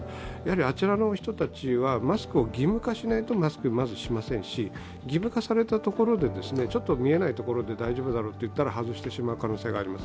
あちらの人たちはマスクを義務化しないと、まずしませんし義務化されたところでちょっと見えないところで大丈夫だろうと言ったら外してしまう可能性があります。